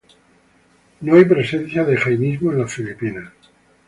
No hay presencia de jainismo en las Filipinas.